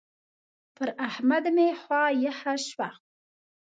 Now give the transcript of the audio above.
پر احمد مې خوا يخه شوه.